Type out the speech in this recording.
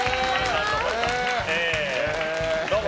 どうも！